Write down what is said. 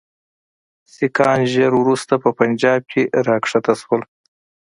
سیکهان ژر وروسته په پنجاب کې را کښته شول.